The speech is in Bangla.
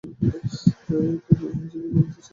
তুমি যেভাবে ভাঙতে চাচ্ছ সেভাবে তা সম্ভব নয়।